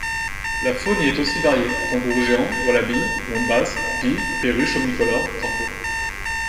La faune y est aussi variée: kangourous géants, wallabies, wombats, pies, perruches omnicolores, corbeaux.